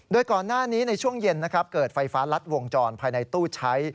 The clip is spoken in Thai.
โดยก่อนหน้านี้ในช่วงเย็นนะครับเกิดไฟฟ้ารัดวงจรภายในตู้ใช้